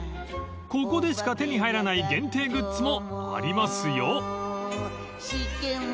［ここでしか手に入らない限定グッズもありますよ］